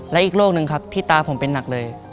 และอีกโรคนึงครับที่ตาผมเป็นหนักเลย